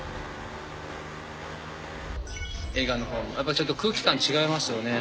映画の方もやっぱちょっと空気感違いますよね。